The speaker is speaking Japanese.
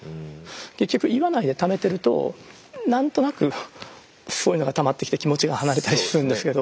結局言わないでためてると何となくそういうのがたまってきて気持ちが離れたりするんですけど。